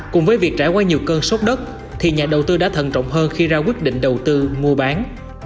cùng với việc trải qua nhiều cơn sốt đất thì nhà đầu tư đã thần trọng hơn khi ra quyết định đầu tư mua bán